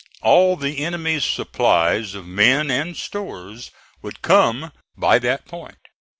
All the enemy's supplies of men and stores would come by that point.